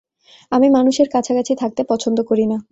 আমি মানুষের কাছাকাছি থাকতে পছন্দ করি না।